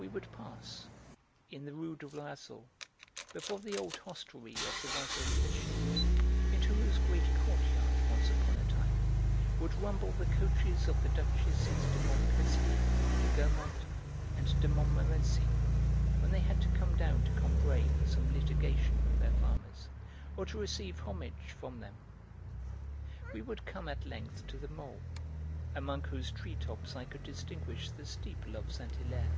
We would pass, in the Rue de l'Oiseau, before the old hostelry of the Oiseau Flesché, into whose great courtyard, once upon a time, would rumble the coaches of the Duchesses de Montpensier, de Guermantes, and de Montmorency, when they had to come down to Combray for some litigation with their farmers, or to receive homage from them. We would come at length to the Mall, among whose treetops I could distinguish the steeple of Saint Hilaire.